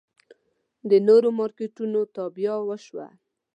د نورو مارکېټونو تابیا وشوه.